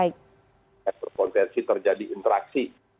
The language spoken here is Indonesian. ketika terjadi interaksi